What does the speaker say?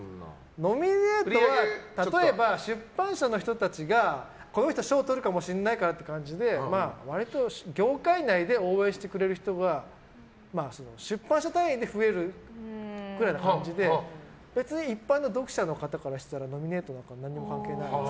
ノミネートは例えば出版社の人たちが、この人賞とるかもしれないからって割と業界内で応援してくれる人は出版社単位で増えるくらいの感じで一般の読者の方からすればノミネートは関係ない。